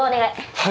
はい！